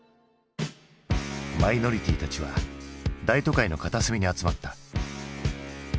マイノリティーたちは大都会の片隅に集まった。